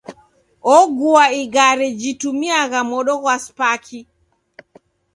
Ogua igare jitumiagha modo ghwa spaki.